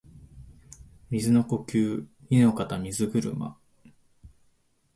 水の呼吸弐ノ型水車（にのかたみずぐるま）